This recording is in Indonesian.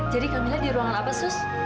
jadi kamila di ruangan apa sus